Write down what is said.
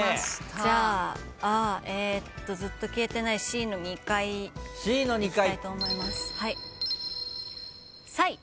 じゃあずっと消えてないＣの２階いきたいと思います。